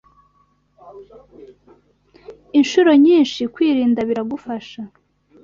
inshuro nyinshi kwirinda biragufasha